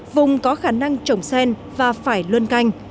vùng có khả năng trồng sen và phải luân canh